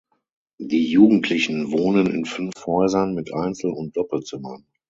Die Jugendlichen wohnen in fünf Häusern mit Einzel- und Doppelzimmern.